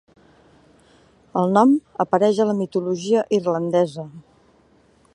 El nom apareix a la mitologia irlandesa.